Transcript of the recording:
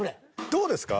どうですか？